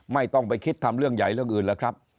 ไม่ต้องไปคิดทำเรื่องใหญ่เรื่องอื่นแล้วครับ